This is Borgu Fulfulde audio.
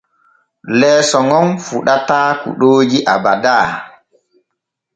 Leeso ŋon fuɗataa kuɗooji abada.